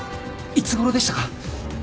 いつごろでしたか？